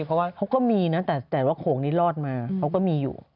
เค้าก็มีนะแต่ว่าโขงนี้รอดมาเค้าก็มีอยู่